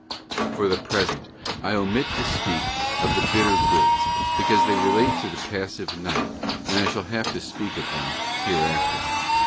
For the present I omit to speak of the bitter goods, because they relate to the Pas sive Night, and I shall have to speak of them hereafter.